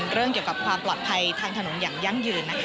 เรื่องเกี่ยวกับความปลอดภัยทางถนนอย่างยั่งยืนนะคะ